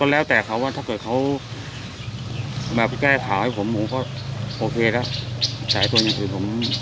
แรกแก้แผ่นผมโปรเฟย์ละแต่ตัวว่าผม